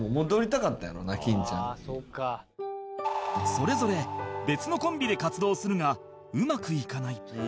それぞれ別のコンビで活動するがうまくいかない